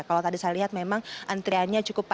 kalau tadi saya lihat memang antriannya cukup panjang